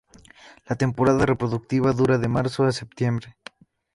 La temporada reproductiva dura de marzo a septiembre.